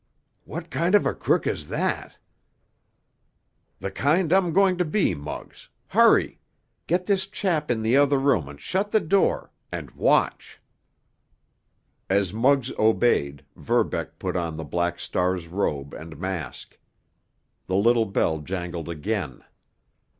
"What kind of a crook is that?" "The kind I'm going to be, Muggs. Hurry! Get this chap in the other room and shut the door—and watch." As Muggs obeyed, Verbeck put on the Black Star's robe and mask. The little bell jangled again.